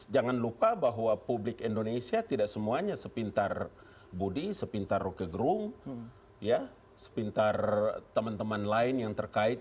jangan lupa bahwa publik indonesia tidak semuanya sepintar budi sepintar roke gerung sepintar teman teman lain yang terkait